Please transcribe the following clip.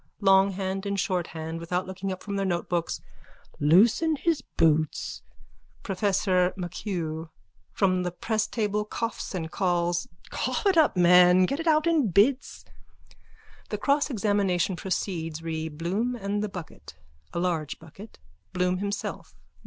_ LONGHAND AND SHORTHAND: (Without looking up from their notebooks.) Loosen his boots. PROFESSOR MACHUGH: (From the presstable, coughs and calls.) Cough it up, man. Get it out in bits. (The crossexamination proceeds re _Bloom and the bucket. A large bucket. Bloom himself.